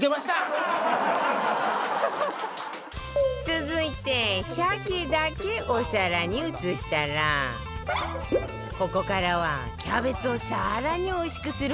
続いて鮭だけお皿に移したらここからはキャベツを更においしくするポイント